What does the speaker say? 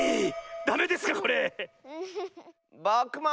ダメですかこれ⁉ぼくも！